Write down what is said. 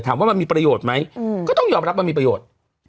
มันมีประโยชน์ไหมก็ต้องยอมรับมันมีประโยชน์